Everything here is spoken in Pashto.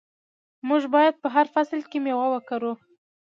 موږ باید په هر فصل کې میوه وکرو.